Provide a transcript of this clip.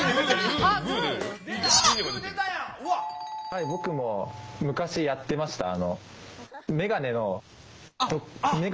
はい僕も昔やってました。